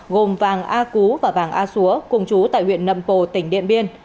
gồm vàng a cú và vàng a xúa cùng chú tại huyện nậm pồ tỉnh điện biên